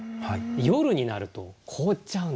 夜になると凍っちゃうんですね。